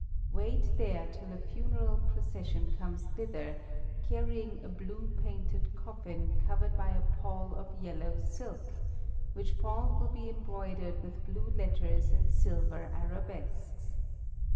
Wait there till a funeral procession comes thither, carrying a blue painted coffin covered by a pall of yellow silk, which pall will be embroidered with blue letters and silver arabesques.